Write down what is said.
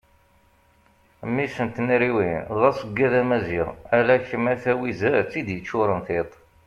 mmi-s n tnariwin d aseggad amaziɣ ala kem a tawizet i d-yeččuren tiṭ